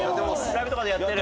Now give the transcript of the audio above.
ライブとかでやってる？